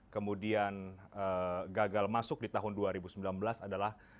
kemudian gagal masuk di tahun dua ribu sembilan belas adalah